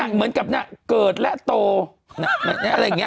เหมือนกับเกิดและโตอะไรอย่างนี้